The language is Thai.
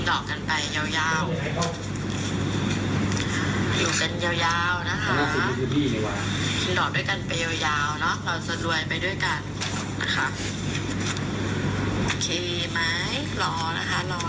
โอเคไหมรอนะคะรอรอรอ